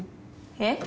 えっ？